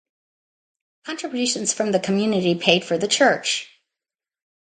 Contributions from the community paid for the church.